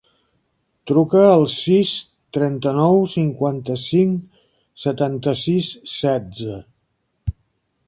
Truca al sis, trenta-nou, cinquanta-cinc, setanta-sis, setze.